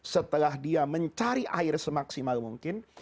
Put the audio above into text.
setelah dia mencari air semaksimal mungkin